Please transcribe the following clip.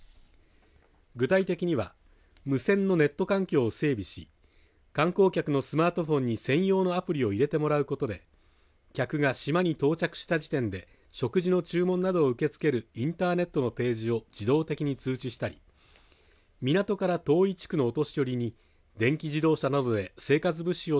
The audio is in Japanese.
具体的には無線のネット環境を整備し観光客のスマートフォンに専用のアプリを入れてもらうことで客が島に到着した時点で食事の注文などを受け付けるインターネットのページを自動的に通知したり港から遠い地区のお年寄りに電気自動車などで生活物資を